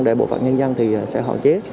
đại bộ phận nhân dân thì sẽ họ chế